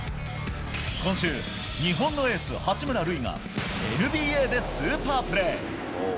今週、日本のエース、八村塁が、ＮＢＡでスーパープレー。